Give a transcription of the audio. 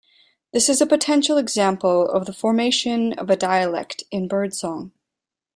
This is a potential example of the formation of a dialect in bird song.